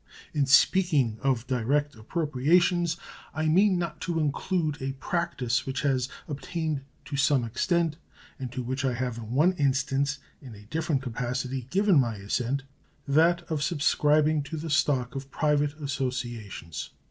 In speaking of direct appropriations I mean not to include a practice which has obtained to some extent, and to which I have in one instance, in a different capacity, given my assent that of subscribing to the stock of private associations.